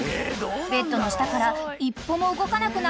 ［ベッドの下から一歩も動かなくなったルビーは］